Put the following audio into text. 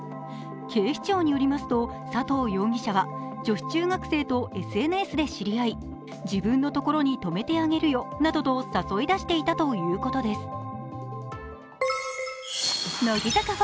警視庁によりますと佐藤容疑者は女子中学生とＳＮＳで知り合い自分の所に泊めてあげるよなどと誘い出していたということです。